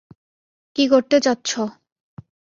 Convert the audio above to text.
কি করতে চাচ্ছো?